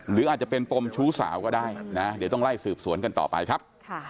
หรืออาจจะเป็นปมชู้สาวก็ได้นะเดี๋ยวต้องไล่สืบสวนกันต่อไปครับ